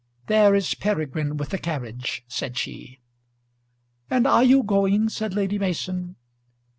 "There is Peregrine with the carriage," said she. "And you are going?" said Lady Mason.